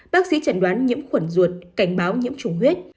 bác sĩ chẩn đoán nhiễm khuẩn ruột cảnh báo nhiễm trùng huyết